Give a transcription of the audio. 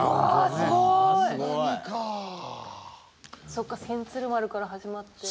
そっか千鶴丸から始まって。